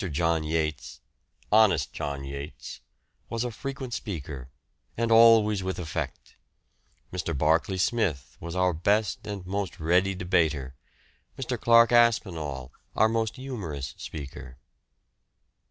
John Yates "honest John Yates" was a frequent speaker, and always with effect. Mr. Barkeley Smith was our best and most ready debater, Mr. Clarke Aspinall our most humorous speaker.